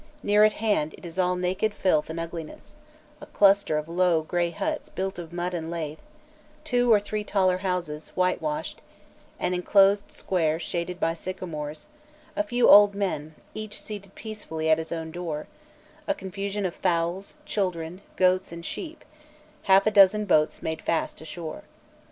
Near at hand it is all naked filth and ugliness: a cluster of low grey huts built of mud and laths; two or three taller houses, whitewashed; an enclosed square shaded by sycamores; a few old men, each seated peacefully at his own door; a confusion of fowls, children, goats, and sheep; half a dozen boats made fast ashore.